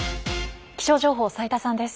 気象情報斉田さんです。